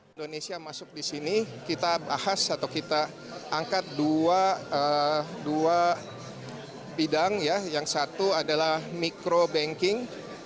indonesia masuk di sini kita bahas atau kita angkat dua bidang yang satu adalah mikro banking